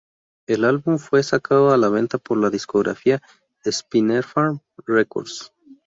El álbum fue sacado a la venta por la discográfica Spinefarm Records.